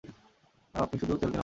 আপনি শুধু তেল দিন আমাদের।